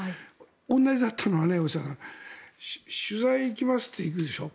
同じだったのは、大下さん取材に行きますって行くでしょ。